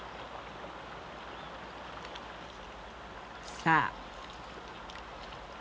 さあ。